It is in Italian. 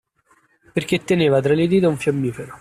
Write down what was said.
Perché teneva tra le dita un fiammifero